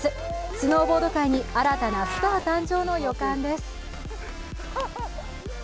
スノーボード界に新たなスター誕生の予感です。